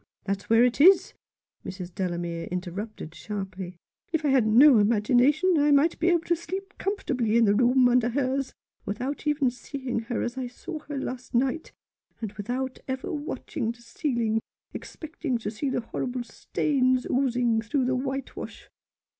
that's where it is," Mrs Delamere inter rupted sharply ;" if I had no imagination I might be able to sleep comfortably in the room under hers, without even seeing her as I saw her last night, and without ever watching the ceiling, expecting to see horrible stains oozing through the whitewash.